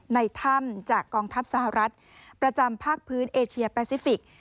ในถ้ำจากกองทัพสหรัฐประจำภาคพื้นเอเชียแปซิฟิกส์